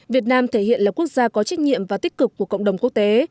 việt nam thể hiện là quốc gia có trách nhiệm và tích cực của cộng đồng quốc tế